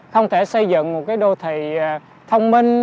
không thể xây dựng một đô thị thông minh